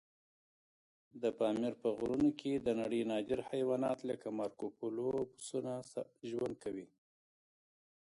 د پامیر په غرونو کې د نړۍ نادر حیوانات لکه مارکوپولو پسونه ژوند کوي.